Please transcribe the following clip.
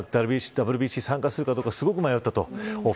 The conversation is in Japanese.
ＷＢＣ参加するかどうかすごく迷ったと。